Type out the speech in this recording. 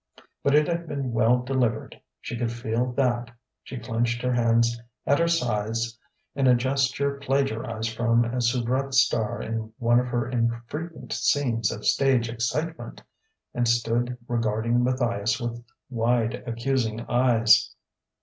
But it had been well delivered: she could feel that. She clenched her hands at her sides in a gesture plagiarized from a soubrette star in one of her infrequent scenes of stage excitement; and stood regarding Matthias with wide, accusing eyes.